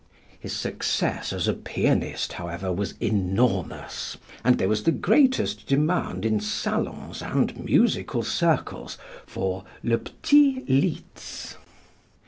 His success as a pianist, however, was enormous and there was the greatest demand in salons and musical circles for "le petit Litz."